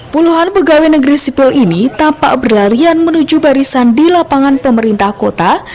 puluhan pegawai negeri sipil ini tampak berlarian menuju barisan di lapangan pemerintah kota